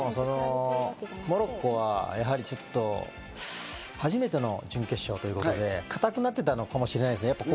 モロッコは初めての準決勝ということで、固くなってたのかもしれないですね。